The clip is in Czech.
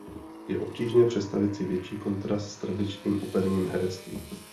Je obtížné představit si větší kontrast s tradičním operním herectvím.